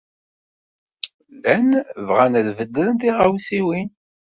Llan bɣan ad beddlen tiɣawsiwin.